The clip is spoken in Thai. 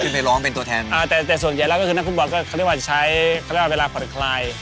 ขึ้นไปร้องเป็นตัวแทนแต่ส่วนใหญ่แล้วก็คือณครูบอทเขาเรียกว่าใช้เวลาความคลอดคลาย